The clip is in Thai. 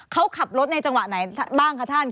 เขาขับรถในจังหวะไหนบ้างคะท่าน